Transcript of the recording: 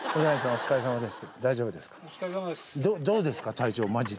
お疲れさまです。